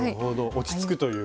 落ち着くという。